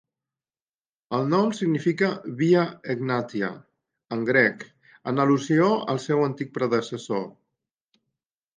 El nom significa "Via Egnatia" en grec, en al·lusió al seu antic predecessor.